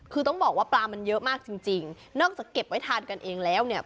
คือต้องบอกว่าปลามันเยอะมากจริงจริงนอกจากเก็บไว้ทานกันเองแล้วเนี่ย